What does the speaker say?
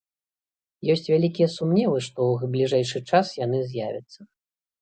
Ёсць вялікія сумневы, што ў бліжэйшы час яны з'явяцца.